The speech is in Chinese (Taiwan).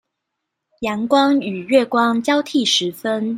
陽光與月光交替時分